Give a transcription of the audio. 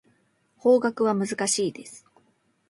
法学は難しいです。